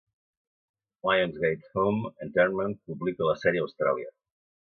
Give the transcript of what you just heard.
Lionsgate Home Entertainment publica la sèrie a Austràlia.